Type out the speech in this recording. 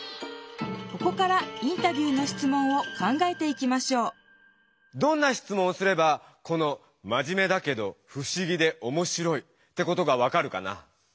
ここからインタビューのしつもんを考えていきましょうどんなしつもんをすればこの「まじめだけどふしぎで面白い」ってことが分かるかな？